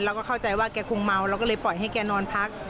เราก็เข้าใจว่าแกคงเมาเราก็เลยปล่อยให้แกนอนพัก